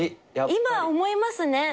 今思いますね。